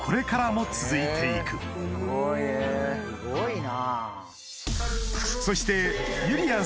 すごいな。